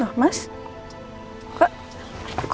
oh di sini